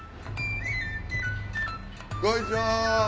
こんにちは。